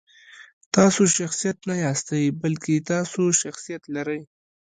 تاسو شخصیت نه یاستئ، بلکې تاسو شخصیت لرئ.